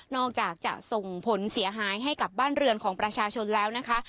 อกจากจะส่งผลเสียหายให้กับบ้านเรือนของประชาชนแล้วนะคะ